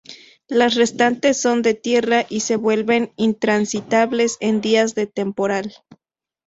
Las restantes, son de tierra y se vuelven intransitables en días de temporal.